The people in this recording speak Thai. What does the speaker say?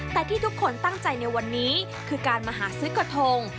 แต่ที่ทุกคนตั้งใจในวันนี้คือการมาหาซื้อกระทง